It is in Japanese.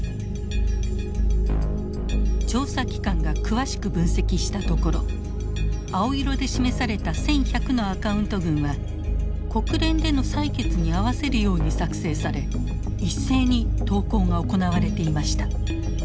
調査機関が詳しく分析したところ青色で示された１，１００のアカウント群は国連での採決に合わせるように作成され一斉に投稿が行われていました。